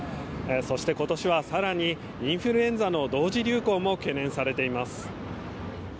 そして今年は更にインフルエンザの同時流行も懸念されています。